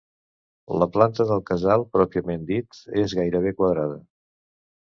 La planta del casal pròpiament dit és gairebé quadrada.